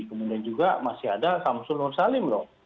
kemudian juga masih ada samsul nur salim loh